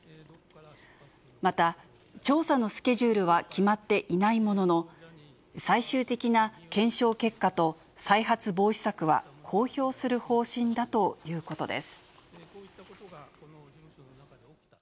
また、調査のスケジュールは決まっていないものの、最終的な検証結果と再発防止策は公表する方針だということです。